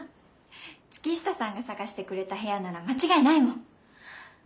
月下さんが探してくれた部屋なら間違いないもん。